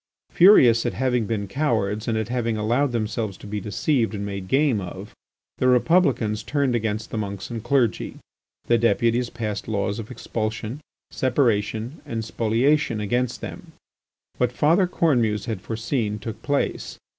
Furious at having been cowards and at having allowed themselves to be deceived and made game of, the Republicans turned against the monks and clergy. The deputies passed laws of expulsion, separation, and spoliation against them. What Father Cornemuse had foreseen took place.